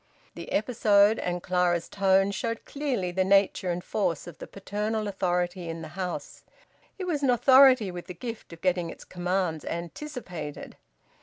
The episode, and Clara's tone, showed clearly the nature and force of the paternal authority in the house. It was an authority with the gift of getting its commands anticipated.